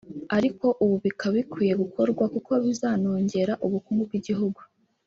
ariko ubu bikaba bikwiye gukorwa kuko bizanongera ubukungu bw’igihugu